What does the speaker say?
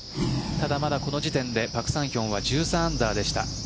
ただ、まだこの時点でパク・サンヒョンは１３アンダーでした。